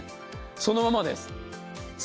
そのままです。